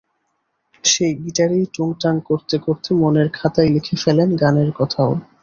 সেই গিটারেই টুংটাং করতে করতে মনের খাতায় লিখে ফেলেন গানের কথাও।